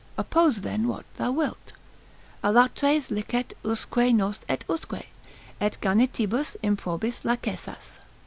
Oppose then what thou wilt, Allatres licet usque nos et usque Et gannitibus improbis lacessas.